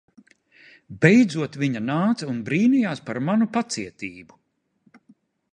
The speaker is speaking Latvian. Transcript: Beidzot viņa nāca un brīnijās par manu pacietību.